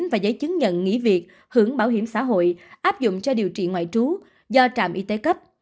và giấy chứng nhận nghỉ việc hưởng bảo hiểm xã hội áp dụng cho điều trị ngoại trú do trạm y tế cấp